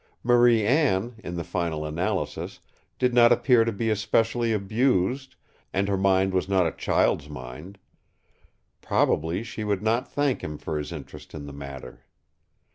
Marie Anne, in the final analysis, did not appear to be especially abused, and her mind was not a child's mind. Probably she would not thank him for his interest in the matter.